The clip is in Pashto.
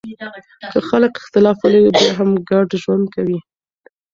که خلګ اختلاف ولري بیا هم ګډ ژوند کوي.